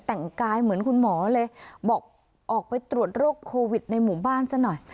แต่งกายเหมือนคุณหมอเลยบอกออกไปตรวจโรคโควิดในหมู่บ้านซะหน่อย